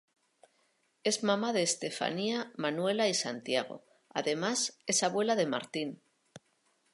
Es mamá de Estefanía, Manuela y Santiago; además es abuela de Martín.